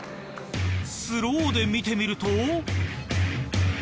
スローで見てみると。